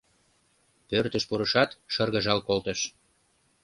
Пӧртыш пурышат, шыргыжал колтыш.